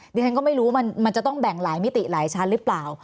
ดิฉันก็ไม่รู้มันจะต้องแบ่งหลายมิติหลายชั้นหรือเปล่า